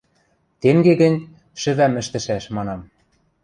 – Тенге гӹнь шӹвӓм ӹштӹшӓш, – манам.